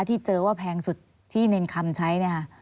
ที่เจอว่าแพงสุดที่ในคำใช้